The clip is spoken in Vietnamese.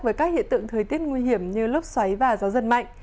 với các hiện tượng thời tiết nguy hiểm như lốc xoáy và gió giật mạnh